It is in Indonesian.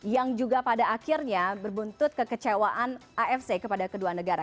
yang juga pada akhirnya berbuntut kekecewaan afc kepada kedua negara